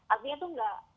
artinya itu enggak